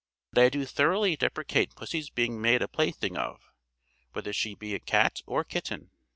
But I do thoroughly deprecate pussy's being made a plaything of, whether she be cat or kitten.